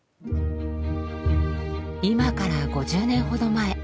今から５０年ほど前。